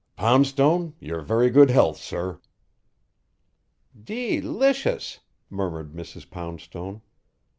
"Poundstone, your very good health, sir." "Dee licious," murmured Mrs. Poundstone.